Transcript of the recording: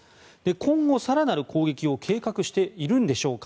今後、更なる攻撃を計画しているんでしょうか。